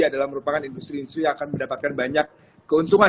adalah merupakan industri industri yang akan mendapatkan banyak keuntungan